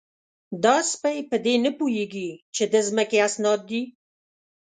_دا سپۍ په دې نه پوهېږي چې د ځمکې اسناد دي؟